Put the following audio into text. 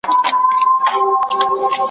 په ککړو په شکرونو سوه له خدایه `